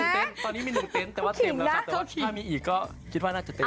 ตอนนี้มี๑เต้นก็เต็มแต่ถ้ามีก็มากกว่าน่าจะเต็ม